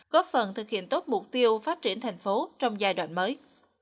góp phần thực hiện tốt mục tiêu phát triển thành phố trong giai đoạn mới